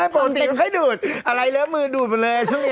โปรดติ๊มให้ดูดอะไรแล้วมือดูดมันเลยช่วงนี้